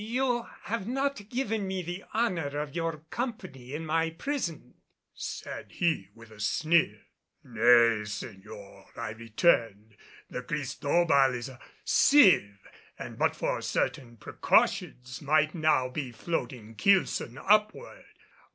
"You have not given me the honor of your company in my prison," said he, with a sneer. "Nay, señor," I returned, "the Cristobal is a sieve, and but for certain precautions might now be floating keelson upward.